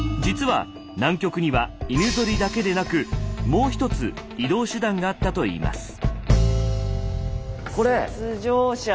実は南極には犬ゾリだけでなくもうひとつ移動手段があったといいます。